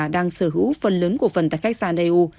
đang sở hữu phần lớn cổ phần tại khách sạn đê u